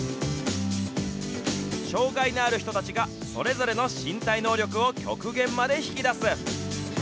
障害のある人たちが、それぞれの身体能力を極限まで引き出す。